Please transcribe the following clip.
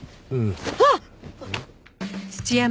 あっ！